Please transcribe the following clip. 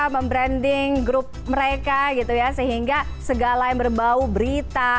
membranding grup mereka gitu ya sehingga segala yang berbau berita